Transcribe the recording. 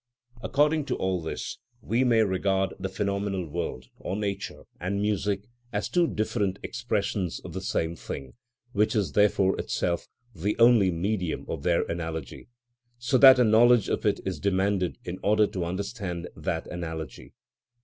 According to all this, we may regard the phenomenal world, or nature, and music as two different expressions of the same thing, which is therefore itself the only medium of their analogy, so that a knowledge of it is demanded in order to understand that analogy.